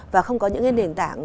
và không có những cái nền tảng